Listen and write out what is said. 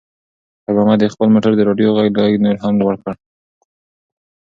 خیر محمد د خپل موټر د راډیو غږ لږ نور هم لوړ کړ.